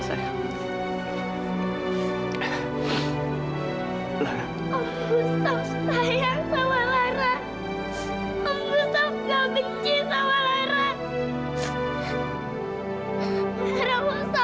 enggak usah gak benci sama lara